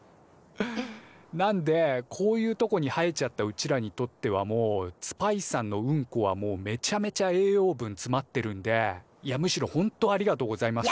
なんでこういうとこに生えちゃったうちらにとってはもうツパイさんのウンコはもうめちゃめちゃ栄養分つまってるんでいやむしろほんとありがとうございますいつも。